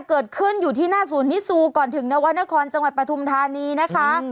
เกิดขึ้นอยู่ที่หน้าศูนย์มิซูก่อนถึงนวรรณครจังหวัดปฐุมธานีนะคะ